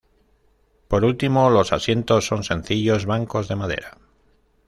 Por último, los asientos, son sencillos bancos de madera.